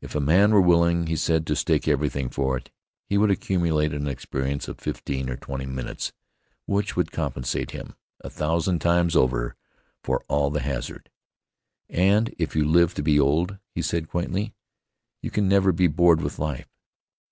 If a man were willing, he said, to stake everything for it, he would accumulate an experience of fifteen or twenty minutes which would compensate him, a thousand times over, for all the hazard. "And if you live to be old," he said quaintly, "you can never be bored with life.